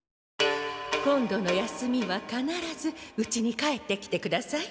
今度の休みはかならずうちに帰ってきてください。